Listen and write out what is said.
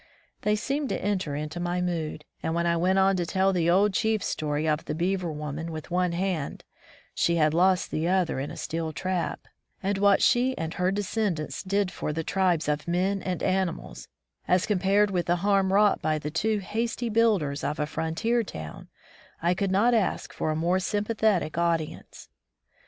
They seemed to enter into my mood; and when I went on to tell the old chief^s story of the beaver woman with one hand (she had lost the other in a steel trap) and what she and her descendants did for the tribes of men and animals, as com pared with the harm wrought by the too hasty builders of a frontier town, I could not ask for a more sympathetic audience.